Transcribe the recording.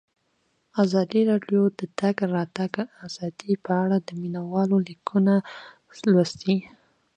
ازادي راډیو د د تګ راتګ ازادي په اړه د مینه والو لیکونه لوستي.